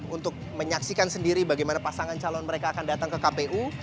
untuk menyaksikan sendiri bagaimana pasangan calon mereka akan datang ke kpu